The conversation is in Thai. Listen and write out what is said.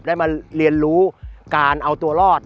ได้มาเรียนรู้การเอาตัวรอด